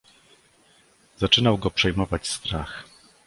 "Zaczynał go przejmować strach."